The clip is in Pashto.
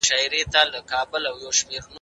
زه کولای سم کتاب ولولم!